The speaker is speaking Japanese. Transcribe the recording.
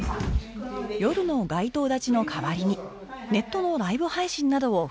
夜の街頭立ちの代わりにネットのライブ配信などをフル活用